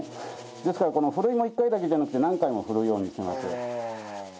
ですからこのふるいも１回だけじゃなくて何回もふるうようにしてます。